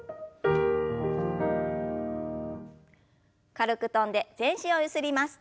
軽く跳んで全身をゆすります。